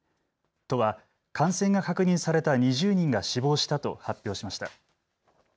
都は感染が確認された２０人が死亡したと発表しました。